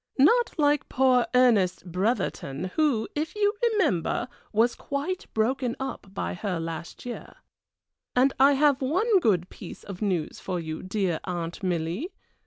Not like poor Ernest Bretherton, who, if you remember, was quite broken up by her last year. And I have one good piece of news for you, dear Aunt Milly.